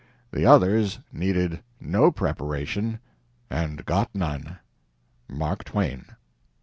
The others needed no preparation and got none. MARK TWAIN."